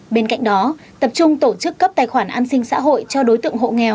bên cạnh đó tập trung tổ chức cấp tài khoản an sinh xã hội cho đối tượng hộ nghèo